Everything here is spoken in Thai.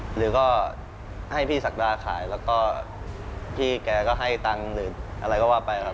หรือก็ให้พี่ศักดาขายแล้วก็พี่แกก็ให้ตังค์หรืออะไรก็ว่าไปครับ